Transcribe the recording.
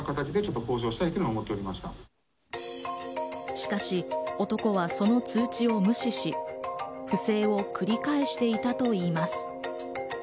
しかし、男はその通知を無視し、不正を繰り返していたといいます。